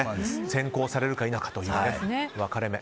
先行されるか否かという分かれ目。